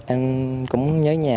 em cũng nhớ nhà